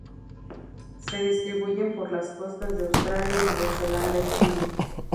Se distribuyen por las costas de Australia, Nueva Zelanda y Chile.